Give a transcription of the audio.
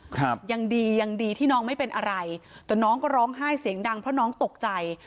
ครับยังดียังดีที่น้องไม่เป็นอะไรแต่น้องก็ร้องไห้เสียงดังเพราะน้องตกใจ